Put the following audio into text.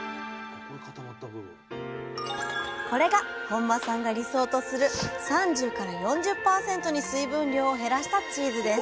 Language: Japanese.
これが本間さんが理想とする３０４０％に水分量を減らしたチーズです